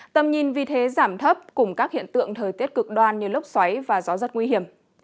tầm nhìn vì thế giảm thấp cùng các hiện tượng thời tiết cực đoan như lốc xoáy và gió rất nguy hiểm